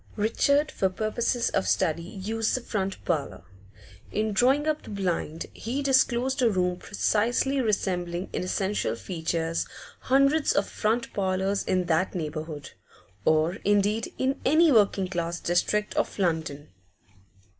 Richard, for purposes of study, used the front parlour. In drawing up the blind, he disclosed a room precisely resembling in essential features hundreds of front parlours in that neighbourhood, or, indeed, in any working class district of London.